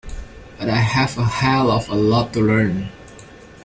But I have a hell of a lot to learn.